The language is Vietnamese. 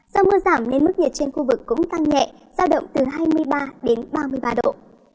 do mưa giảm nên mức nhiệt trên khu vực cũng tăng nhẹ giao động từ hai mươi ba đến ba mươi ba độ